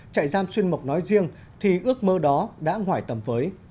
trại giam xuyên mộc nói riêng thì ước mơ đó đã ngoài tầm với